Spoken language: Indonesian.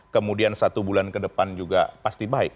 kemudian satu bulan ke depan juga pasti baik